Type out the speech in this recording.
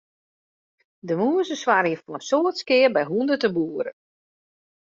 De mûzen soargje foar in soad skea by hûnderten boeren.